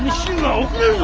遅れるぞ！